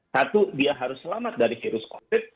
satu dia harus selamat dari virus covid